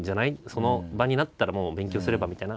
その場になったら勉強すればみたいな。